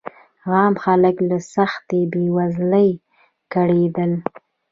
عام خلک له سختې بېوزلۍ کړېدل.